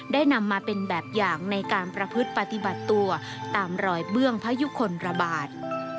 นำมาเป็นแบบอย่างในการประพฤติปฏิบัติตัวตามรอยเบื้องพยุคลระบาด